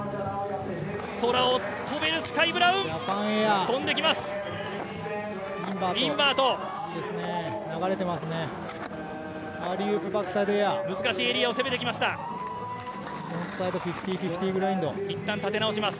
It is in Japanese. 空を飛べるスカイ・ブラウン、飛んできます。